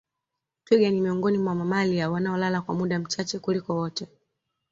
Twiga ni miongoni mwa mamalia wanaolala kwa muda mchache kuliko wote